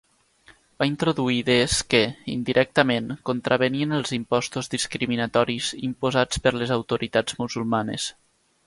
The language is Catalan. Va introduir idees que, indirectament, contravenien els impostos discriminatoris imposats per les autoritats musulmanes.